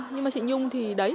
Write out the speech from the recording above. nhưng mà chị nhung thì đấy